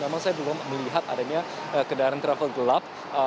memang saya belum melihat adanya kendaraan travel gelap